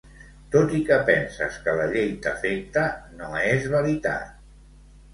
Tot i que penses que la llei t'afecta, no és veritat.